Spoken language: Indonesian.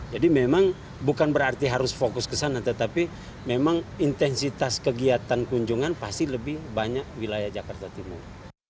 jadi memang bukan berarti harus fokus ke sana tetapi memang intensitas kegiatan kunjungan pasti lebih banyak wilayah jakarta timur